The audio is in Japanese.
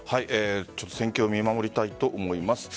戦況を見守りたいと思います。